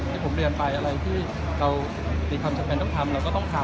ที่ผมเรียนไปอะไรที่เรามีความจำเป็นต้องทำเราก็ต้องทำ